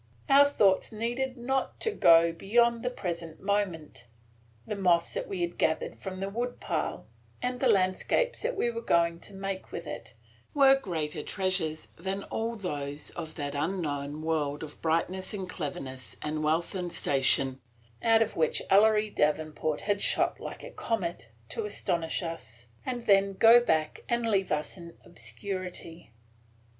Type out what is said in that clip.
Our thoughts needed not to go beyond the present moment: the moss that we had gathered from the wood pile, and the landscapes that we were going to make with it, were greater treasures than all those of that unknown world of brightness and cleverness and wealth and station, out of which Ellery Davenport had shot like a comet, to astonish us, and then go back and leave us in obscurity.